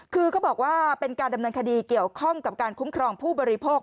คือเขาบอกว่าเป็นการดำเนินคดีเกี่ยวข้องกับการคุ้มครองผู้บริโภค